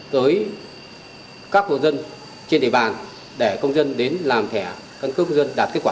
tới các hộ dân trên địa bàn để công dân đến làm thẻ căn cước công dân đạt kết quả